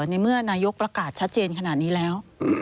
ในเมื่อนายกประกาศชัดเจนขนาดนี้แล้ว